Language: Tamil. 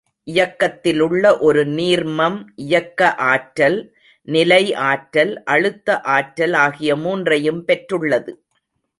இயக்கத்திலுள்ள ஒரு நீர்மம் இயக்க ஆற்றல், நிலை ஆற்றல், அழுத்த ஆற்றல் ஆகிய மூன்றையும் பெற்றுள்ளது.